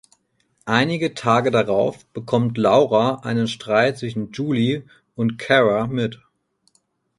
Einige Tage darauf bekommt Laura einen Streit zwischen Julie und Cara mit.